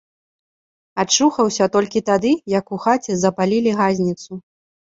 Ачухаўся толькі тады, як у хаце запалілі газніцу.